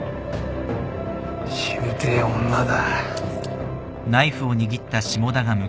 しぶてえ女だ。